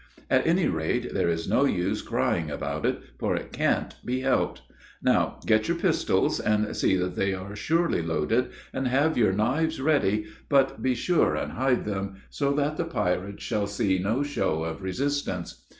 At any rate there is no use crying about it, for it can't be helped. Now get your pistols, and see that they are surely loaded, and have your knives ready, but be sure and hide them, so that the pirates shall see no show of resistance.